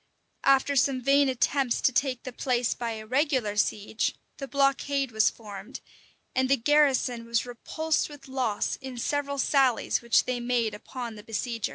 After some vain attempts to take the place by a regular siege, the blockade was formed, and the garrison was repulsed with loss in several sallies which they made upon the besiegers.